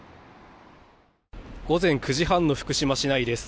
午前９時半の福島市内です。